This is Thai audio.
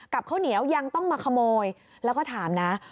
ข้าวเหนียวยังต้องมาขโมยแล้วก็ถามนะ